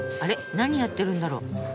何やってるんだろう？